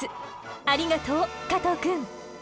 ありがとう加藤くん。